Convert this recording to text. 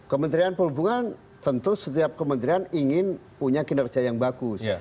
kementerian perhubungan tentu setiap kementerian ingin punya kinerja yang bagus